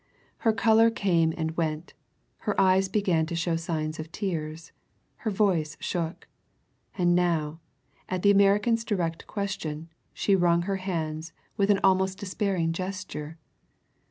Her colour came and went; her eyes began to show signs of tears; her voice shook. And now, at the American's direct question, she wrung her hands with an almost despairing gesture.